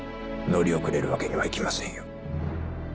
乗り遅れるわけにはいきませんよ。